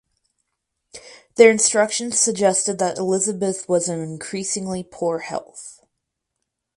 Their instructions suggested that Elizabeth was in increasingly poor health.